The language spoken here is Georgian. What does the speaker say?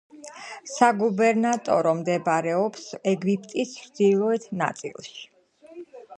საგუბერნატორო მდებარეობს ეგვიპტის ჩრდილოეთ ნაწილში.